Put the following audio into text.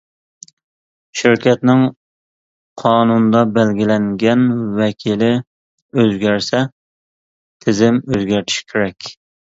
شىركەتنىڭ قانۇندا بەلگىلەنگەن ۋەكىلى ئۆزگەرسە، تىزىم ئۆزگەرتىش كېرەك.